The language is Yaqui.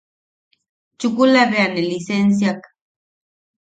Chukula bea ne lisensiak.